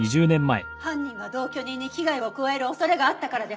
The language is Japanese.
犯人が同居人に危害を加える恐れがあったからです。